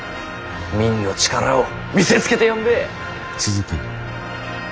民の力を見せつけてやんべぇ。